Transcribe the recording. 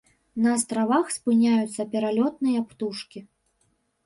На астравах спыняюцца пералётныя птушкі.